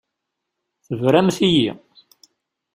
Tebramt-iyi.